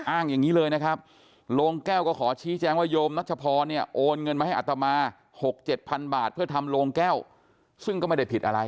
อย่างนี้เลยนะครับโรงแก้วก็ขอชี้แจงว่าโยมนัชพรเนี่ยโอนเงินมาให้อัตมา๖๗พันบาทเพื่อทำโรงแก้วซึ่งก็ไม่ได้ผิดอะไร